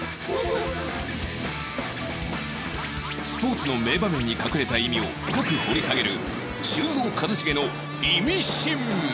スポーツの名場面に隠れた意味を深く掘り下げる